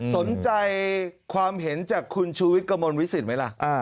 สนใจความเห็นจากคุณชูวิทย์กระมวลวิสิตไหมล่ะ